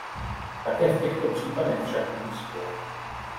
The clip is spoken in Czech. Také v těchto případech však neuspěl.